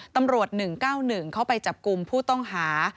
ตำรวจ๑๙๑เขาไปจับกลุ่มผู้ต้องหา